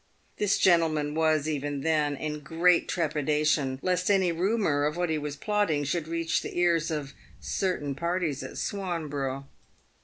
This gentleman was, even then, in great trepidation lest any rumour of what he was plotting should reach the ears of certain parties at Swanborough.